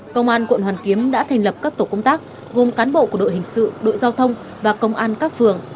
công an quận hoàn kiếm đã thành lập các tổ công tác gồm cán bộ của đội hình sự đội giao thông và công an các phường